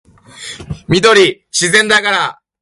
Midori! She's in the garage!